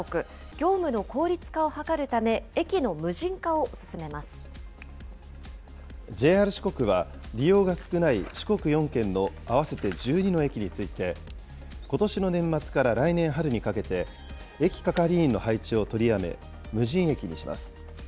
業務の効率化を図るため、駅の無ＪＲ四国は、利用が少ない四国４県の合わせて１２の駅について、ことしの年末から来年春にかけて、駅係員の配置を取りやめ、無人駅にします。